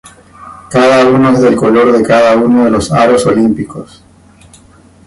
Cada uno es del color de cada uno de los aros olímpicos.